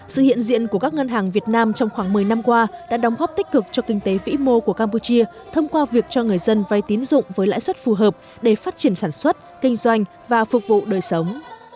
sự hiện diện của các ngân hàng việt nam trong khoảng một mươi năm qua đã đóng góp tích cực cho kinh tế vĩ mô của campuchia thông qua việc cho người dân vay tín dụng với lãi suất phù hợp để phát triển sản xuất kinh doanh và phục vụ đời sống